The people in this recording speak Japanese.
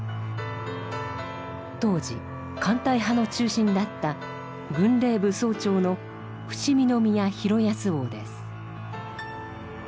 当時艦隊派の中心だった軍令部総長の伏見宮博恭王です。